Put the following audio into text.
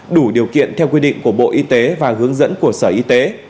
đủ điều kiện theo quy định của bộ y tế và hướng dẫn của sở y tế